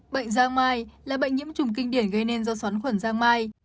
bệnh giang mai là bệnh nhiễm trùng kinh điển gây nên do xoắn khuẩn giang mai